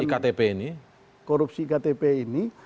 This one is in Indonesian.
iktp ini korupsi iktp ini